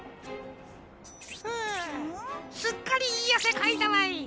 ふうすっかりいいあせかいたわい。